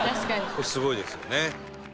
これすごいですよね。